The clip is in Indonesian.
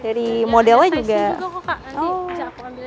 dari modelnya juga ada size nya juga kok kak nanti bisa aku ambilin size nya